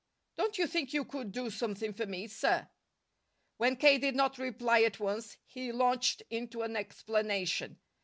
"Don't you think you could do something for me, sir?" When K. did not reply at once, he launched into an explanation.